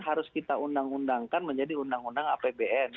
harus kita undang undangkan menjadi undang undang apbn